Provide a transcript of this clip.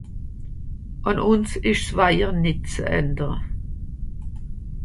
Àn ùns ìsch ’s wajer nìtt se ze verändere.